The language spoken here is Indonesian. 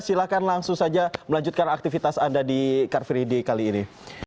silahkan langsung saja melanjutkan aktivitas anda di car free day kali ini